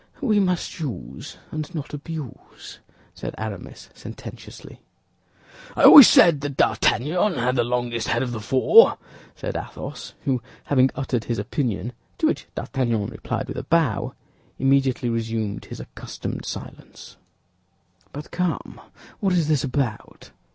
"We must use, and not abuse," said Aramis, sententiously. "I always said that D'Artagnan had the longest head of the four," said Athos, who, having uttered his opinion, to which D'Artagnan replied with a bow, immediately resumed his accustomed silence. "But come, what is this about?"